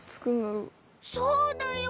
そうだよ！